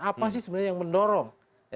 apa sih sebenarnya yang mendorong